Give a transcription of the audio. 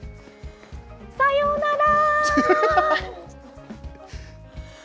さようなら。